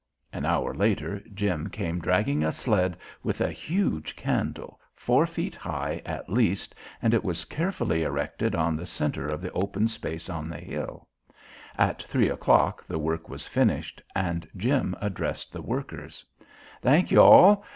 An hour later Jim came dragging a sled with a huge candle, four feet high, at least, and it was carefully erected in the centre of the open place on the hill. At three o'clock the work was finished and Jim addressed the workers: "Thank you all.